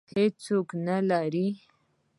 هېڅوک نه لري